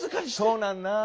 そうなんなあ。